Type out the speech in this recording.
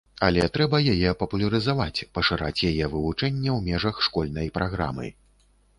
Але трэба яе папулярызаваць, пашыраць яе вывучэнне ў межах школьнай праграмы.